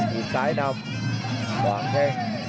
ดูซ้ายนำวางแท่ง